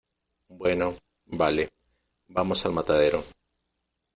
bueno, vale , vamos al matadero.